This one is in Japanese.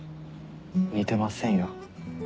似てませんよ。